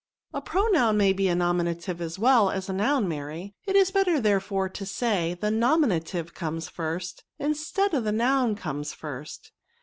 " A pronoun may be nominative as well as a noun, Mary ; it is better, therefore, to say, the nominative comes first, instead of the nomn comes first."